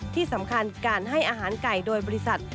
ที่สำคัญการให้อาหารไก่โดยบริษัท